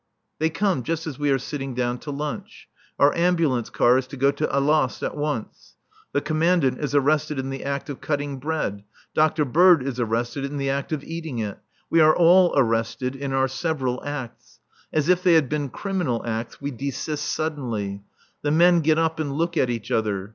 They come just as we are sitting down to lunch. Our ambulance car is to go to Alost at once. The Commandant is arrested in the act of cutting bread. Dr. Bird is arrested in the act of eating it. We are all arrested in our several acts. As if they had been criminal acts, we desist suddenly. The men get up and look at each other.